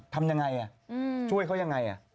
ทำยังไงอ่ะช่วยเขายังไงอ่ะ